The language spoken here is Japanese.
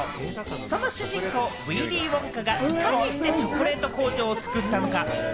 その主人公、ウィリー・ウォンカがいかにしてチョコレート工場を作ったのか？